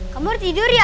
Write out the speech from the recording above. kamu udah tidur ya